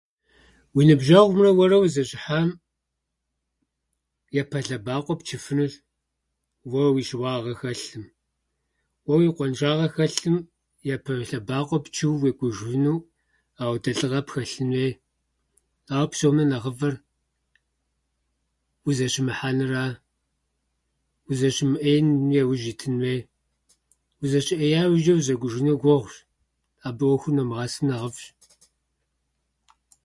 Уи ныбжьэгъумрэ уэрэ узэщыхьам, япэ лъэбакъуэ пчыфынущ уэ уи щыуагъэ хэлъым. Уэ уи къуаншагъэ хэлъым, япэ лъэбакъуэ пчыуэ уекӏужыфыну, ауэдэ лӏыгъэ пхэлъын хуей. Ауэ псом нэ нэхъыфӏыр узэщымыхьэнра. Узэщымыӏеиным яужь итын хуей. Узыщыӏея иужьчӏэ узэкӏужыныр гугъущ. Абы ӏуэхур номыгъэсым нэхъыфӏщ.